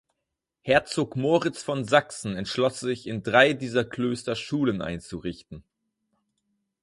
Herzog Moritz von Sachsen entschloss sich, in drei dieser Klöster Schulen einzurichten.